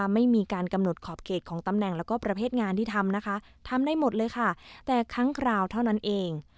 ที่ทำนะคะทำได้หมดเลยค่ะแต่ครั้งกราวเท่านั้นเอง